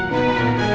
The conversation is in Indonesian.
apa ada yang salah